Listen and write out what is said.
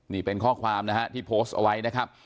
นี่เป็นข้อความนะฮะที่โพสต์เอาไว้นะครับ